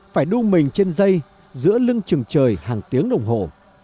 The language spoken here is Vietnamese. phải đu mình trên dây giữa lưng trừng trời hàng tiếng đồng hồ